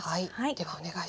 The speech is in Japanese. はい。